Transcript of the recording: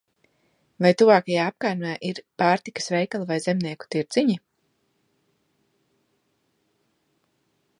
Vai tuvākajā apkaimē ir pārtikas veikali vai zemnieku tirdziņi?